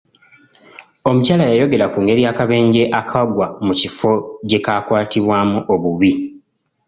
Omukyala yayogera ku ngeri akabenje akaagwa mu kifo gye kaakwatibwamu obubi.